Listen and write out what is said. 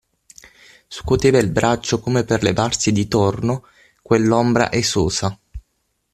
Scuoteva un braccio come per levarsi di torno quell'ombra esosa.